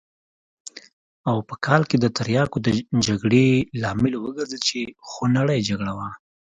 او په کال کې د تریاکو د جګړې لامل وګرځېد چې خونړۍ جګړه وه.